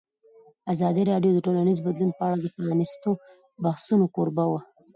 ازادي راډیو د ټولنیز بدلون په اړه د پرانیستو بحثونو کوربه وه.